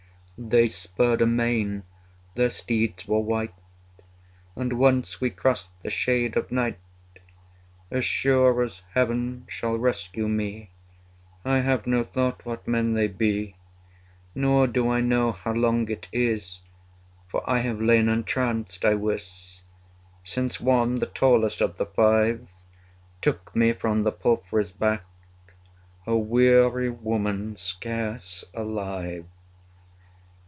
They spurred amain, their steeds were white: And once we crossed the shade of night. As sure as Heaven shall rescue me, I have no thought what men they be; 90 Nor do I know how long it is (For I have lain entranced I wis) Since one, the tallest of the five, Took me from the palfrey's back, A weary woman, scarce alive.